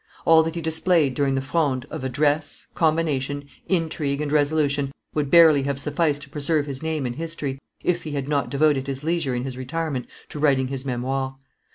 All that he displayed, during the Fronde, of address, combination, intrigue, and resolution, would barely have sufficed to preserve his name in history, if he had not devoted his leisure in his retirement to writing his Memoires.